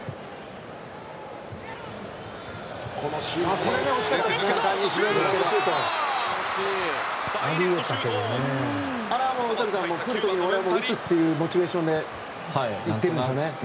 あれは俺が打つというモチベーションでいってるんでしょうね。